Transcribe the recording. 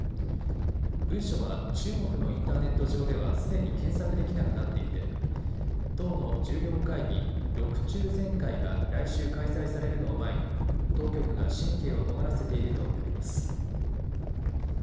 文書は中国のインターネット上ではすでに検索できなくなっていて党の重要会議、６中全会が来週開催されるのを前に当局が神経をとがらせていると見られます。